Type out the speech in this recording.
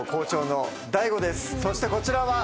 そしてこちらは。